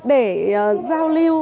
để giao lưu